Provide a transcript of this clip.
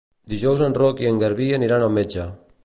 Dijous en Roc i en Garbí aniran al metge.